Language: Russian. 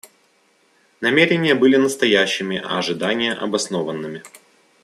Намерения были настоящими, а ожидания обоснованными.